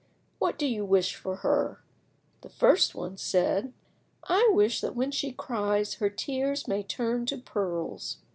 What do you wish for her?" The first one said— "I wish that when she cries her tears may turn to pearls."